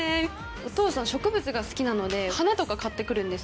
お父さん植物が好きなので花とか買って来るんですよ。